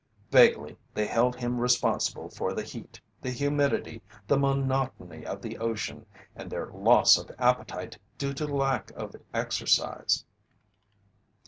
Vaguely they held him responsible for the heat, the humidity, the monotony of the ocean, and their loss of appetite due to lack of exercise.